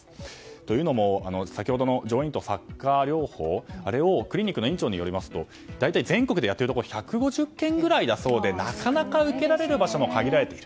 というのも先ほどの上咽頭擦過療法あれをクリニックの院長によりますと大体全国でやっているところ１５０軒くらいだそうで受けられる場所も限られている。